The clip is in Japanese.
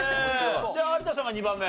有田さんが２番目。